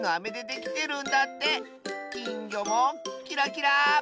きんぎょもキラキラー！